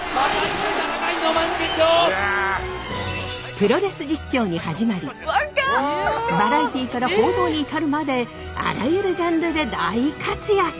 プロレス実況に始まりバラエティーから報道に至るまであらゆるジャンルで大活躍。